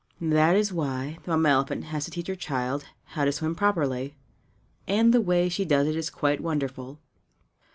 That is why the Mamma elephant has to teach her child how to swim properly. And the way she does it is quite wonderful.